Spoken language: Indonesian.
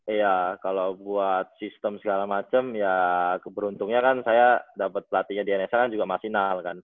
iya kalau buat sistem segala macem ya keberuntungnya kan saya dapat pelatihnya di nsa kan juga masinal kan